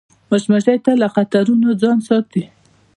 مچمچۍ تل له خطرونو ځان ساتي